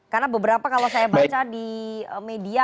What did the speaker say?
karena beberapa kalau saya baca di media